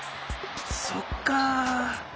そっか。